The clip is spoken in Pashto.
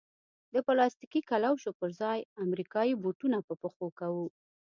د پلاستیکي کلوشو پر ځای امریکایي بوټونه په پښو کوو.